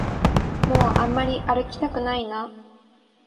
もうあんまり歩きたくないな